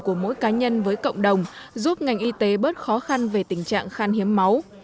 của mỗi cá nhân với cộng đồng giúp ngành y tế bớt khó khăn về tình trạng khan hiếm máu